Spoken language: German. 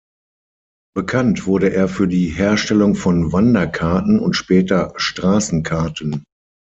Bekannt wurde er für die Herstellung von Wanderkarten und später Straßenkarten.